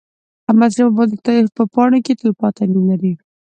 احمدشاه بابا د تاریخ په پاڼو کې تلپاتې نوم لري.